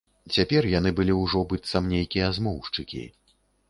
Цяпер яны былі ўжо быццам нейкія змоўшчыкі.